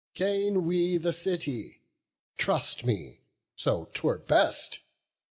Gain we the city; trust me, so 'twere best.